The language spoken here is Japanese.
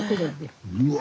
うわ。